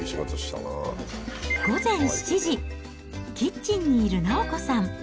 午前７時、キッチンにいる直子さん。